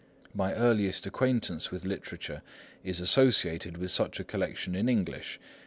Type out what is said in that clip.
My earliest acquaintance with literature is associated with such a collection in English.